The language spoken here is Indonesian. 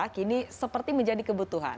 kini seperti menjadi kebutuhan